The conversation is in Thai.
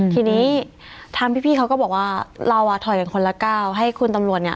ทีนี้ทางพี่เขาก็บอกว่าเราอ่ะถอยกันคนละก้าวให้คุณตำรวจเนี่ย